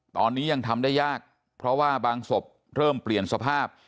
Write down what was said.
ตอนนี้ยังทำได้ยากเพราะว่าบางศพเริ่มเปลี่ยนสภาพ